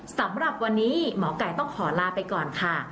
สำหรับวันนี้หมอไก่ต้องขอลาไปก่อนค่ะ